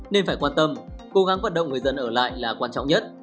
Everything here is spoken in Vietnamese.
nên phải quan tâm cố gắng vận động người dân ở lại là quan trọng nhất